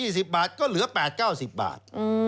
๒๐บาทก็เหลือ๘๙๐บาท